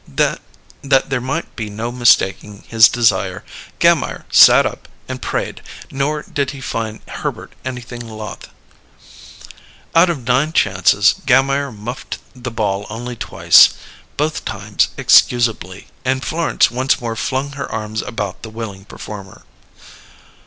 That there might be no mistaking his desire, Gammire "sat up" and prayed; nor did he find Herbert anything loth. Out of nine chances Gammire "muffed" the ball only twice, both times excusably, and Florence once more flung her arms about the willing performer.